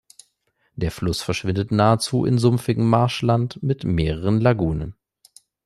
Der Fluss verschwindet nahezu in sumpfigen Marschland mit mehreren Lagunen.